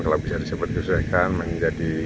kalau bisa disempatkan menjadi